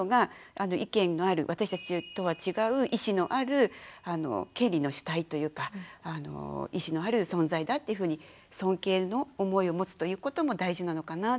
私たちとは違う意思のある「権利の主体」というか意思のある存在だっていうふうに尊敬の思いを持つということも大事なのかなっていうふうに思いました。